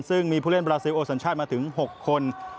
ซึ่งมีผู้เล่นบราซิลโอสัญชาติมาถึง๖คน